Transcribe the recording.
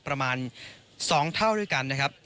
ประมาณ๒เท่าด้วยกันนะครับ